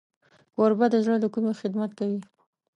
کوربه د زړه له کومي خدمت کوي.